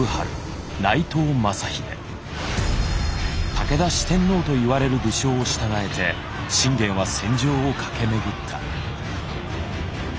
武田四天王と言われる武将を従えて信玄は戦場を駆け巡った。